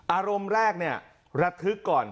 อารมณ์แรกระทึกก่อน